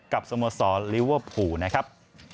กับสมสอร์ลิเวอร์ภูนะครับ